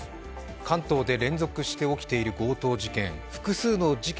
関東で連続して起きている強盗事件。